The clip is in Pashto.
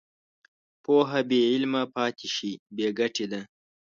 پوهه بېعمله پاتې شي، بېګټې ده.